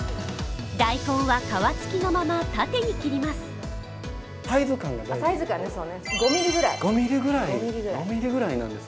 大根は皮付きのまま縦に切ります。